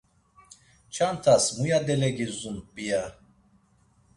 Çantas muya delegidzun p̌iya?